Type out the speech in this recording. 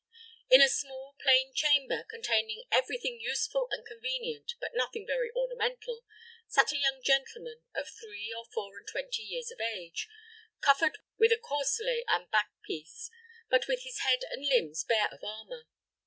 In a small, plain chamber, containing every thing useful and convenient, but nothing very ornamental, sat a young gentleman of three or four and twenty years of age, covered with corselet and back piece, but with his head and limbs bare of armor.